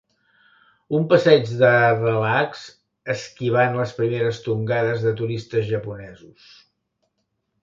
Un passeig de relax esquivant les primeres tongades de turistes japonesos.